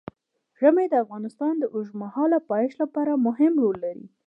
ژمی د افغانستان د اوږدمهاله پایښت لپاره مهم رول لري.